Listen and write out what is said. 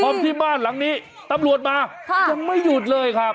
พอที่บ้านหลังนี้ตำรวจมายังไม่หยุดเลยครับ